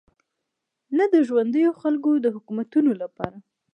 نه د ژونديو خلکو د حکومتونو لپاره.